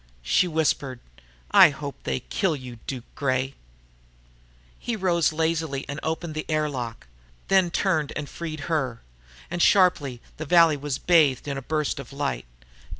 She whispered, "I hope they kill you, Duke Gray!" He rose lazily and opened the air lock, then turned and freed her. And, sharply, the valley was bathed in a burst of light.